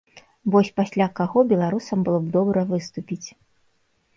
Вось пасля каго беларусам было б добра выступіць.